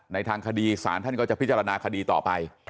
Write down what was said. ทางคดีศาลท่านก็จะพิจารณาคดีต่อไป